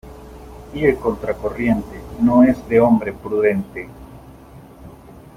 Ir contracorriente no es de hombre prudente.